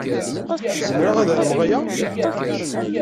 Zemreɣ ad armeɣ aya?